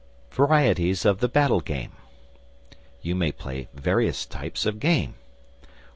VARIETIES OF THE BATTLE GAME You may play various types of game.